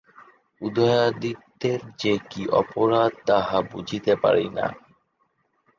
উদয়াদিত্যের যে কী অপরাধ তাহা বুঝিতে পারি না।